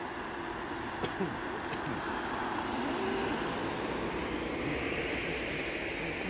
隣にいるのさ。